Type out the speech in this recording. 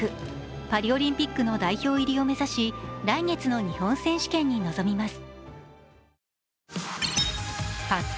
パリオリンピックの代表入りを目指し、来月の日本選手権に臨みます。